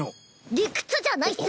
理屈じゃないっス。